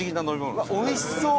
千賀：おいしそう！